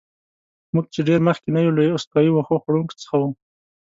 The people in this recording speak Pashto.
موږ چې ډېر مخکې نه یو، له استوایي وښو خوړونکو څخه وو.